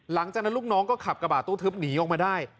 หลังจากนั้นลูกน้องก็ขับกระบาดตู้ทึบหนีออกมาได้